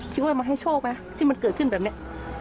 คิดว่ามาให้โชคไหมที่มันเกิดขึ้นแบบนี้